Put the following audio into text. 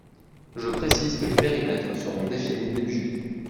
Je précise que les périmètres seront définis début juillet.